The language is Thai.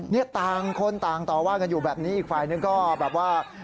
เนี่ยต่างคนต่างต่อว่ากันอยู่แบบนี้อีกฝ่ายนึงก็แบบว่า